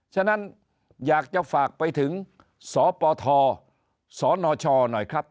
ฉะนั้นอยากจะฝากไปถึงสปทสนชหน่อยครับ